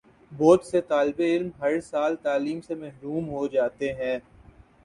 بہت سے طالب علم ہر سال تعلیم سے محروم ہو جاتے ہیں